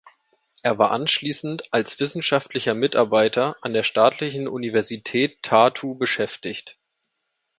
Er war anschließend als Wissenschaftlicher Mitarbeiter an der Staatlichen Universität Tartu beschäftigt.